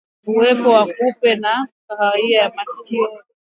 Uwepo wa kupe wa kahawia wa masikioni